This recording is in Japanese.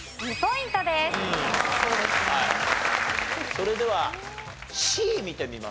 それではＣ見てみますかね。